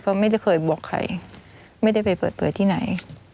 เพราะไม่ได้เคยบอกใครไม่ได้ไปเปิดเผยที่ไหน